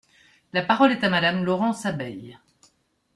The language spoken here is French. La parole est à Madame Laurence Abeille.